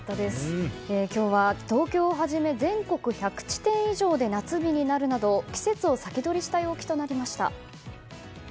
今日は東京をはじめ全国１００地点以上で夏日になるなど季節を先取りした陽気になりました。